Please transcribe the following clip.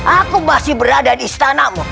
aku masih berada di istanamu